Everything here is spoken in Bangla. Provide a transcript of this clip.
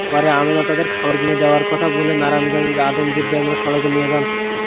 পরে আমেনা তাদের খাবার কিনে দেওয়ার কথা বলে নারায়ণগঞ্জ-আদমজী-ডেমরা সড়কে নিয়ে যান।